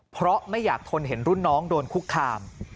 เพราะไม่อยากทนเห็นรุ่นน้องโดนคุกคาม